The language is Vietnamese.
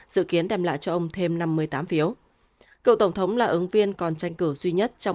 dự kiến đem lại cho ông thêm năm mươi tám phiếu cựu tổng thống là ứng viên còn tranh cử duy nhất trong